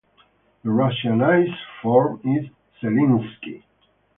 The Russianized form is Zelinsky.